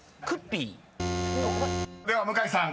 ［では向井さん］